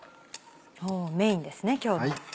メインですね今日の。